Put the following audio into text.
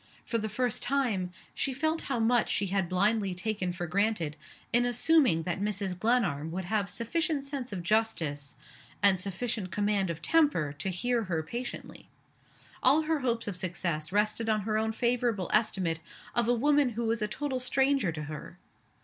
For the first time, she felt how much she had blindly taken for granted, in assuming that Mrs. Glenarm would have sufficient sense of justice and sufficient command of temper to hear her patiently. All her hopes of success rested on her own favorable estimate of a woman who was a total stranger to her!